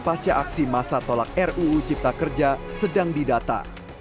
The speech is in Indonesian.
pasca aksi masa tolak ruu cipta kerja sedang didata